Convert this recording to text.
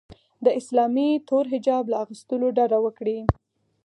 د اسلامي تور حجاب له اغوستلو ډډه وکړي